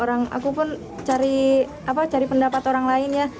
aku pun cari pendapat orang lain ya